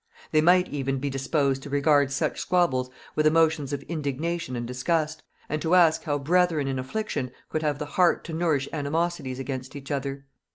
They might even be disposed to regard such squabbles with emotions of indignation and disgust, and to ask how brethren in affliction could have the heart to nourish animosities against each other.